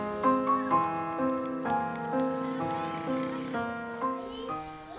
masih tidak ada yang bisa diberikan kemampuan untuk membuatnya